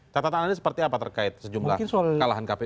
tata tataan ini seperti apa terkait sejumlah kekalahan kpu ini